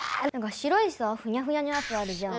白いさふにゃふにゃのやつあるじゃん。